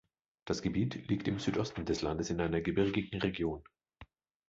Das Gebiet liegt im Südosten des Landes in einer gebirgigen Region.